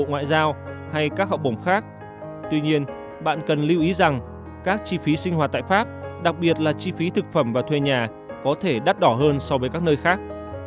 trước tiên bạn cần lưu ý rằng các chi phí sinh hoạt tại pháp đặc biệt là chi phí thực phẩm và thuê nhà có thể đắt đỏ hơn so với các nơi khác